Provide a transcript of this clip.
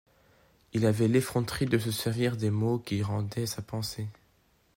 Il avait l’effronterie de se servir des mots qui rendaient sa pensée.